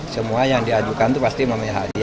semua yang diajukan itu pasti memihak